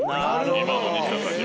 今の西田さんには。